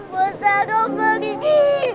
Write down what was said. bisa kau pergi